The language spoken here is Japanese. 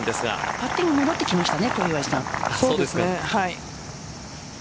パッティング戻ってきましたね、小祝さん。